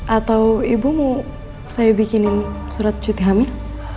atau ibu mau saya bikinin surat cuti hamil